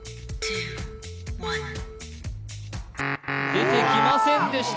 出てきませんでした